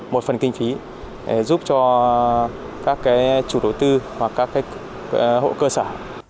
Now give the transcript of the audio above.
một phần kinh phí giúp cho các chủ đầu tư hoặc các hộ cơ sở